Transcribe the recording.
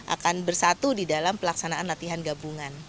akan bersatu di dalam pelaksanaan latihan gabungan